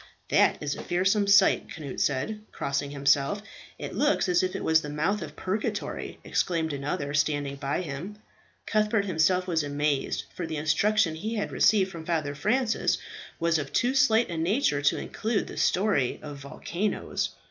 "That is a fearsome sight," Cnut said, crossing himself. "It looks as if it was the mouth of purgatory," exclaimed another, standing by. Cuthbert himself was amazed, for the instruction he had received from Father Francis was of too slight a nature to include the story of volcanoes.